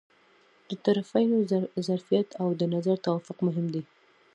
د طرفینو ظرفیت او د نظر توافق مهم دي.